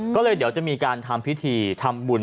ก็เลยเดี๋ยวจะมีการทำพิธีทำบุญ